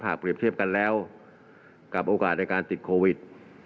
เปรียบเทียบกันแล้วกับโอกาสในการติดโควิด